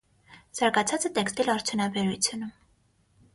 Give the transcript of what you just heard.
Զարգացած է տեքստիլ արդյունաբերությունը։